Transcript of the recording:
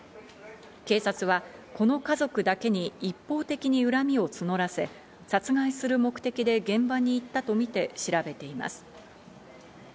警察はこの家族だけに一方的に恨みを募らせ殺害する目的で現場に行ったとみて調べています。